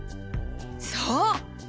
そう！